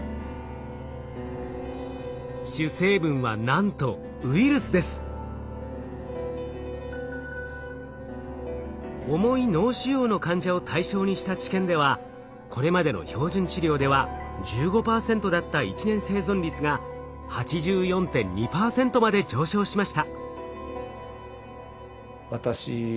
主成分はなんと重い脳腫瘍の患者を対象にした治験ではこれまでの標準治療では１５％だった１年生存率が８４．２％まで上昇しました。